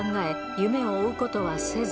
夢を追うことはせず